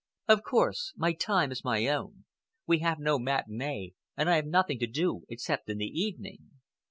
"Of course... My time is my own. We have no matinee, and I have nothing to do except in the evening."